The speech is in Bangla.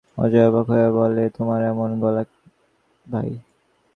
অজয় অবাক হইয়া যায়, বলে, তোমার এমন গলা ভাই?